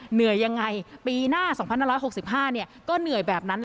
เหนื่อยยังไงปีหน้าสองพันห้าร้อยหกสิบห้าเนี่ยก็เหนื่อยแบบนั้น